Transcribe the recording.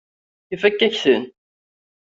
Ifakk-ak-ten.